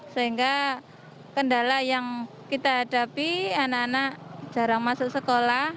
sehingga kendala yang kita hadapi anak anak jarang masuk sekolah